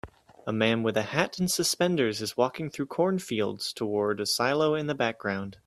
A man with a hat and suspenders is walking through cornfields toward a silo in the background